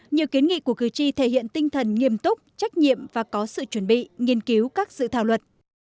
nhiều kiến nghị của cử tri thể hiện tinh thần nghiêm túc trách nhiệm và có sự chuẩn bị nghiên cứu các dự thảo luật